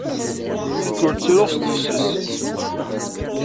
Nekk ur ttruɣ s tefses.